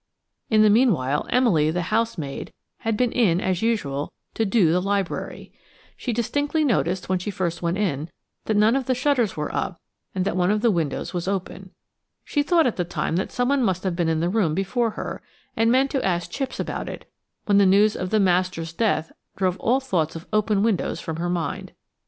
In the meanwhile Emily, the housemaid, had been in, as usual, to "do" the library. She distinctly noticed, when she first went in, that none of the shutters were up and that one of the windows was open. She thought at the time that someone must have been in the room before her, and meant to ask Chipps about it, when the news of the master's death drove all thoughts of open windows from her mind.